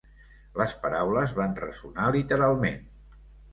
Les paraules van ressonar literalment.